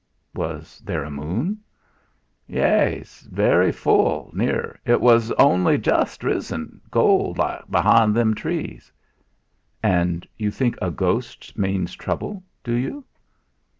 "Was there a moon?" "Yeas, very near full, but 'twas on'y just risen, gold like be'ind them trees." "And you think a ghost means trouble, do you?"